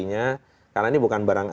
nya karena ini bukan barang